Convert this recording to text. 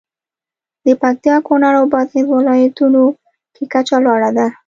د پکتیا، کونړ او بادغیس ولایتونو کې کچه لوړه ده.